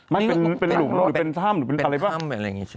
ไม่เป็นหลุมหรือเป็นถ้ำหรือเป็นอะไรวะเป็นถ้ำอะไรอย่างงี้